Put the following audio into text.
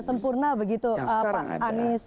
sempurna begitu pak anies